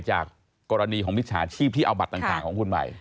จากกรณีของมิจฉาชีพที่เอาบัตรต่างของคุณใหม่